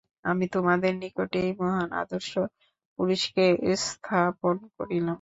আমি তোমাদের নিকট এই মহান আদর্শ পুরুষকে স্থাপন করিলাম।